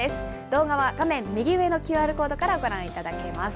動画は画面右上のＱＲコードからご覧いただけます。